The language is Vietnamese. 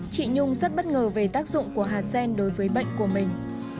chị nhung rất bất ngờ về tác dụng của hạt sen đối với bệnh của mình